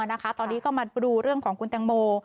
ตอนนี้ก็มาดูเรื่องของคุณแตงโม